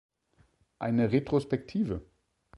Eine Retrospektive.